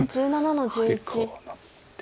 でこうなって。